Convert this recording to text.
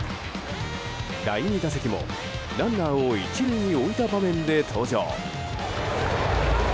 第２打席もランナーを１塁に置いた場面で登場。